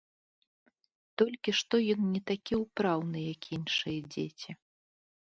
Толькі што ён не такі ўпраўны, як іншыя дзеці.